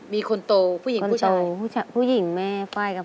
มีคนโตผู้หญิงผู้ชาย